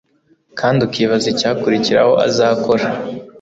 kandi ukibaza icyakurikiraho azakora